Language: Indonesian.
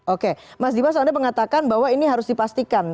oke mas dibas anda mengatakan bahwa ini harus dipastikan